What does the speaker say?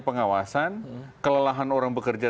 pengawasan kelelahan orang bekerja